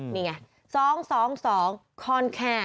นี่ไงสองสองสองขอนแก่น